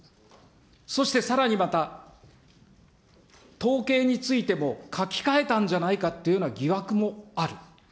そしてさらにまた、統計についても、書き換えたんじゃないかというような疑惑もある。